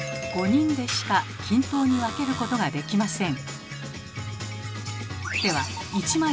３人でしか均等に分けることができません。